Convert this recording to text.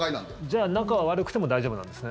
じゃあ仲が悪くても大丈夫なんですね。